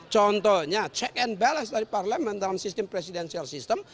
contohnya check and balance dari parlemen dalam sistem presidensial system